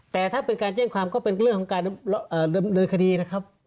แต่ถ้าเป็นการแจ้งความก็เป็นเรื่องของการดำเนินคดีนะครับ